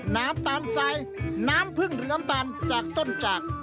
น้ำตาลทรายน้ำพึ่งหรือน้ำตาลจากต้นจาก